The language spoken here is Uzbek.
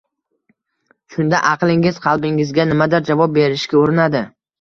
Shunda, aqlingiz qalbingizga nimadir javob berishga urinadi